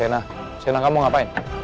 hei sena sena kamu ngapain